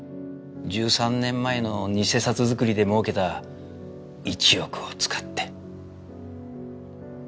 １３年前の偽札作りで儲けた１億を使って。